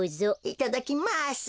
いただきます。